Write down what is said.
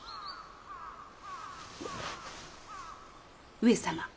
上様。